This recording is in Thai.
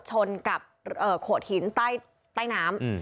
ชนกับโขดหินใต้น้ำ